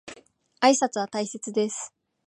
挨拶は大切です。